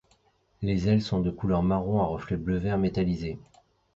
Les ailes sont de couleur marron à reflets bleu vert metallisé.